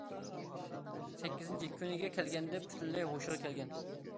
سەككىزىنچى كۈنىگە كەلگەندە پۈتۈنلەي ھوشىغا كەلگەن.